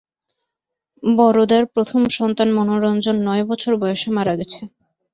বরদার প্রথম সন্তান মনোরঞ্জন নয় বছর বয়সে মারা গেছে।